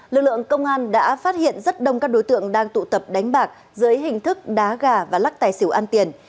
lực lượng công an đã phát hiện rất đông các đối tượng đang tụ tập đánh bạc dưới hình thức đá gà và lắc tài xỉu ăn tiền